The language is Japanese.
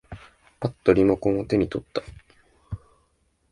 ぱっとリモコンを手に取った。